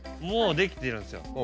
もうできてるんですよ。